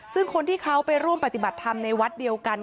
ซึ่งคนที่เขาไปร่วมปฏิบัติธรรมในวัดเดียวกัน